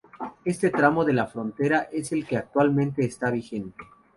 Este tramo de la frontera es el que actualmente está vigente.